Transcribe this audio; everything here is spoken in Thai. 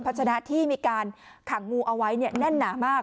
ชนะที่มีการขังงูเอาไว้แน่นหนามาก